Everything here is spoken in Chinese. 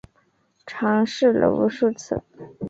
尝试了无数次